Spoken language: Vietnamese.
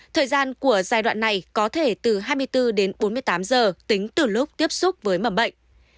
thời gian của giai đoạn này có thể từ hai mươi bốn đến bốn mươi tám giờ tính từ lúc tiếp xúc với mầm bệnh